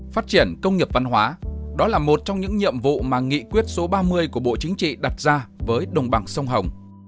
phát triển công nghiệp văn hóa đó là một trong những nhiệm vụ mà nghị quyết số ba mươi của bộ chính trị đặt ra với đồng bằng sông hồng